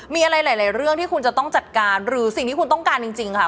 มีอะไรหลายเรื่องที่คุณจะต้องจัดการหรือสิ่งที่คุณต้องการจริงค่ะ